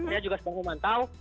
ini juga sepungku mantau